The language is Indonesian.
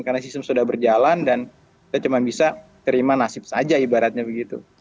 karena sistem sudah berjalan dan kita cuma bisa terima nasib saja ibaratnya begitu